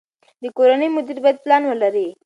د کورنۍ مدیر باید پلان ولري.